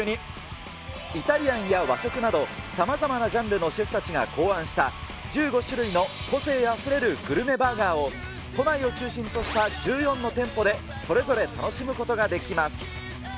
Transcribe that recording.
イタリアンや和食などさまざまなジャンルのシェフたちが考案した、１５種類の個性あふれるグルメバーガーを、都内を中心とした１４の店舗で、それぞれ楽しむことができます。